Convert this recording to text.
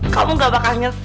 kamu gak bakal nyesel